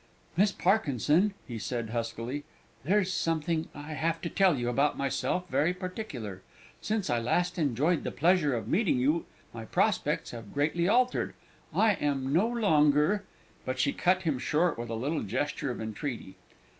"Miss Parkinson," he said huskily, "there's something I have to tell you about myself, very particular. Since I last enjoyed the pleasure of meeting with you my prospects have greatly altered, I am no longer " But she cut him short with a little gesture of entreaty.